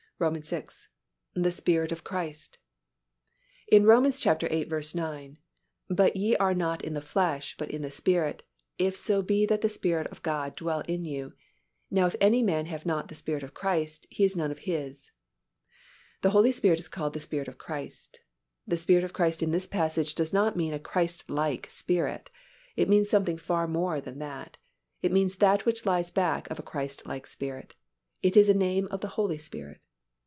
VI. The Spirit of Christ. In Rom. viii. 9, "But ye are not in the flesh, but in the Spirit, if so be that the Spirit of God dwell in you. Now if any man have not the Spirit of Christ, he is none of His." The Holy Spirit is called the Spirit of Christ. The Spirit of Christ in this passage does not mean a Christlike spirit. It means something far more than that, it means that which lies back of a Christlike spirit; it is a name of the Holy Spirit.